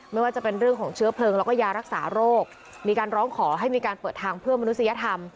ไม่ว่าจะเป็นเรื่องของเชื้อเพลิงแล้วก็ยารักษาโรคมีการร้องขอให้มีการเปิดทางเพื่อมนุษยธรรม